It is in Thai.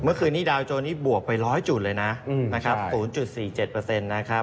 เมื่อคืนนี้ดาวโจรนี่บวกไป๑๐๐จุดเลยนะ๐๔๗